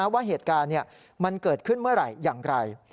ว่าเหตุการณ์มันเกิดขึ้นเมื่อไหร่อย่างไร